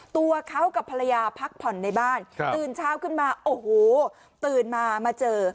ตัวเขากับภรรยาพักผ่อนในบ้านตื่นเช้าขึ้นมาโอ้โหตื่นมามาเจอ